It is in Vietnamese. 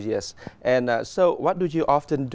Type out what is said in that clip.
và họ rất quan tâm